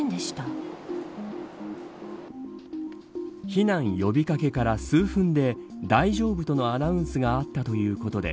避難呼び掛けから数分で大丈夫とのアナウンスがあったということで